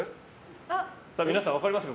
皆さん、分かりますか？